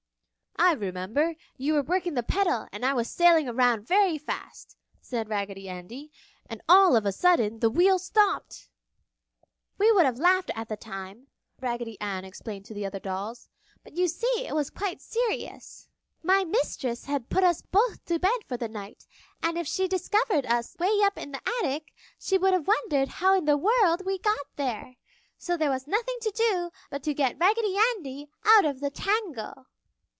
"I remember, you were working the pedal and I was sailing around very fast," said Raggedy Andy, "and all of a sudden the wheel stopped!" "We would have laughed at the time," Raggedy Ann explained to the other dolls, "but you see it was quite serious." "My mistress had put us both to bed for the night, and if she had discovered us 'way up in the attic, she would have wondered how in the world we got there! So there was nothing to do but get Raggedy Andy out of the tangle!"